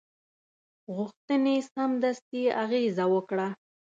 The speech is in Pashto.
غوښتنې سمدستي اغېزه وکړه.